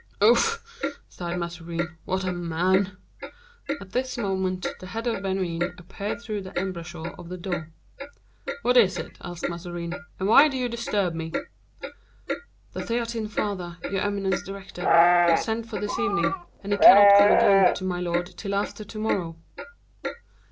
"Ouf!" sighed Mazarin, "what a man!" At this moment, the head of Bernouin appeared through the embrasure of the door. "What is it?" asked Mazarin, "and why do you disturb me?" "The Theatin father, your eminence's director, was sent for this evening; and he cannot come again to my lord till after to morrow."